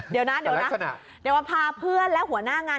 เดี๋ยวนะพาเพื่อนและหัวหน้างาน